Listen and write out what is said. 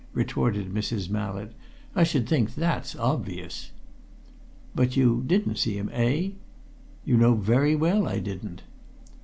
retorted Mrs. Mallett. "I should think that's obvious." "But you didn't see him, eh?" "You know very well I didn't!"